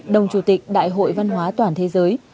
đồng chủ tịch đại hội văn hóa toàn thế giới